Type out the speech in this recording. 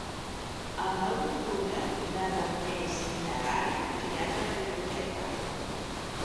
El nou d'octubre na Farners i na Gal·la iran a la biblioteca.